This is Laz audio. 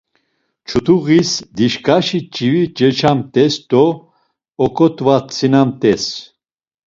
Çutuğis dişǩaşi ç̌ivi ceçamt̆es do oǩot̆vatsinamt̆es.